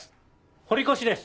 堀越です